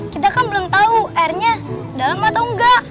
kita kan belum tahu airnya dalam atau enggak